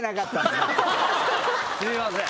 すいません。